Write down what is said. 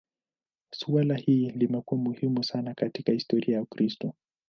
Suala hili limekuwa muhimu sana katika historia ya Ukristo.